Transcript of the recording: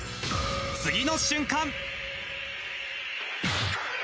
次の瞬間。